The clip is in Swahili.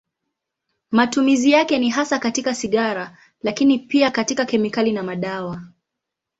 Matumizi yake ni hasa katika sigara, lakini pia katika kemikali na madawa.